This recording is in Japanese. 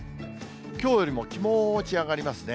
きょうよりも気持ち上がりますね。